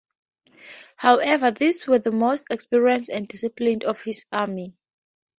However, these were the most experienced and disciplined of his army.